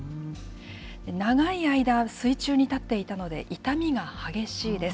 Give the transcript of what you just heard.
長い間、水中に建っていたので傷みが激しいです。